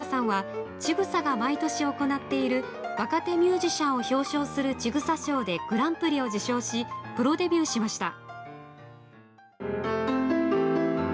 松岡さんは「ちぐさ」が毎年行っている若手ミュージシャンを表彰する「ちぐさ賞」でグランプリを受賞しプロデビューしました。